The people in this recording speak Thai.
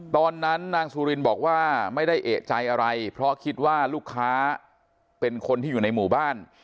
ตอนนั้นนางสุรินบอกว่าไม่ได้เอกใจอะไรเพราะคิดว่าลูกค้าเป็นคนที่อยู่ในหมู่บ้าน